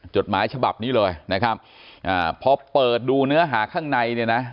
จดหมายฉบับนี้เลยนะครับอ่าพอเปิดดูเนื้อหาข้างในเนี่ยนะ